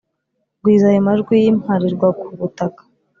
gwiza ayo majwi y'imparirwakugutaka !